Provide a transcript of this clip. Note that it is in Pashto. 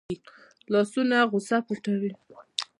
لاسونه غصه پټوي